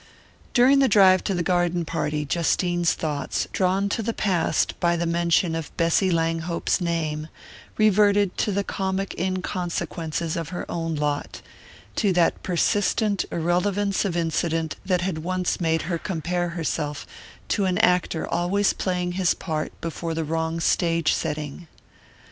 During the drive to the garden party, Justine's thoughts, drawn to the past by the mention of Bessy Langhope's name, reverted to the comic inconsequences of her own lot to that persistent irrelevance of incident that had once made her compare herself to an actor always playing his part before the wrong stage setting.